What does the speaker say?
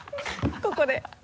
ここで。